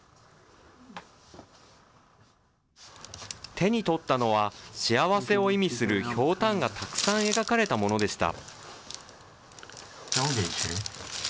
手に取ったのは、幸せを意味するひょうたんがたくさん描かれたものでした。